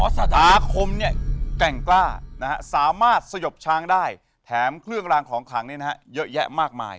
อาคมเนี่ยแกร่งกล้าสามารถสยบช้างได้แถมเครื่องรางของขลังเยอะแยะมากมาย